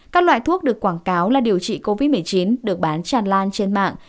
các loại thuốc được quảng cáo là điều trị covid một mươi chín được bán tràn lan trên mạng